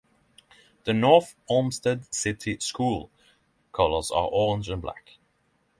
The North Olmsted City School colors are orange and black.